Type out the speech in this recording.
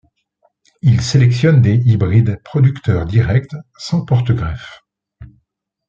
Il sélectionne des hybrides producteurs directs, sans porte-greffe.